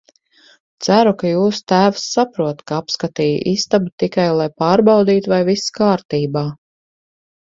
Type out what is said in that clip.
Ceru, ka jūsu tēvs saprot, ka apskatīju istabu tikai, lai pārbaudītu, vai viss kārtībā.